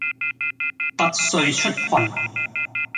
拔萃出群